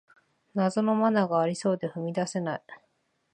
謎のマナーがありそうで踏み出せない